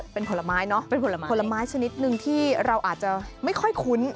เป็นผลไม้เนาะเป็นผลไม้ผลไม้ชนิดหนึ่งที่เราอาจจะไม่ค่อยคุ้น